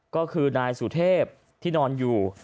ก็คือนายสุเทพที่นอนอยู่